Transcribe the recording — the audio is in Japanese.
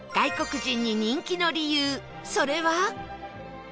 それは